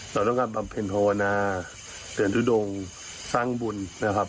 เราต้องการบำเพ็ญภาวนาเตือนทุดงสร้างบุญนะครับ